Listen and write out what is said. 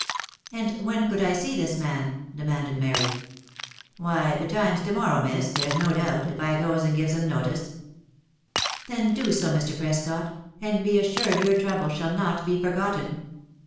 " And when could I see this man ?" demanded Mary. ■'" Why, betimes to morrow, miss, there's no doubt, if I goes and gives him notice." " Then, do so Mr. Prescot, and be assured your trouble shall not be forgotten."